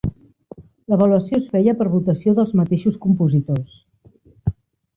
L'avaluació es feia per votació dels mateixos compositors.